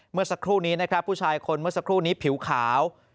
เมื่อสักครู่นี้นะครับผู้ชายคนเมื่อสักครู่นี้ผิวขาว